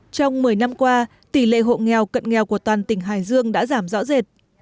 trong một mươi năm qua tỷ lệ hộ nghèo cận nghèo của toàn tỉnh hải dương đã giảm rõ rệt